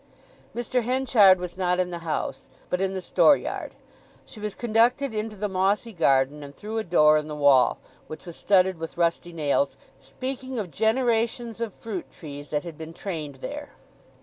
Mr. Henchard was not in the house, but in the store yard. She was conducted into the mossy garden, and through a door in the wall, which was studded with rusty nails speaking of generations of fruit trees that had been trained there.